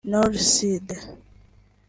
Nord- Sud